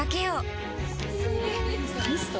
ミスト？